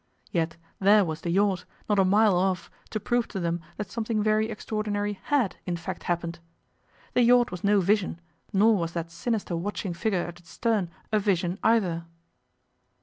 Yet there was the yacht, not a mile off, to prove to them that something very extraordinary had, in fact, happened. The yacht was no vision, nor was that sinister watching figure at its stern a vision, either.